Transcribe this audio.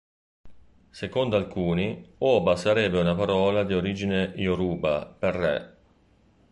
Secondo alcuni, "oba" sarebbe una parola di origine yoruba per "re".